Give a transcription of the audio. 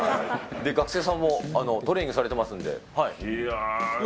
学生さんもトレーニングされてますので。